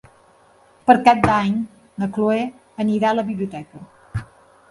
Per Cap d'Any na Cloè anirà a la biblioteca.